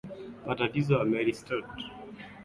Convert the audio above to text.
matatizo ya mary stuart yalifanya kuanzisha kwa vita hiyo